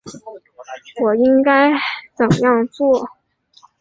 我应该怎样做？